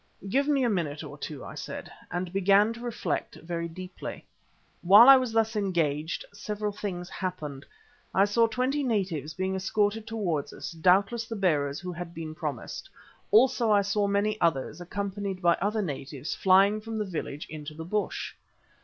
"Give me a minute or two," I said, and began to reflect very deeply. Whilst I was thus engaged several things happened. I saw twenty natives being escorted towards us, doubtless the bearers who had been promised; also I saw many others, accompanied by other natives, flying from the village into the bush.